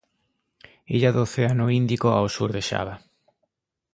Illa do Océano Índico, ao sur de Xava.